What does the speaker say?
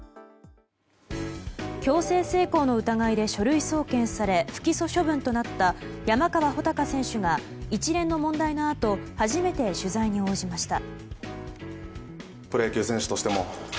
強制性交の疑いで書類送検され不起訴処分となった山川穂高選手が一連の問題のあと、初めて取材に応じました。